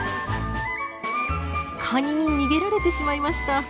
カニに逃げられてしまいました。